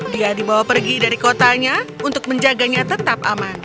dia dibawa pergi dari kotanya untuk menjaganya tetap aman